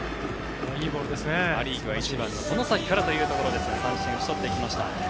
パ・リーグは外崎からというところでしたが三振を打ち取っていきました。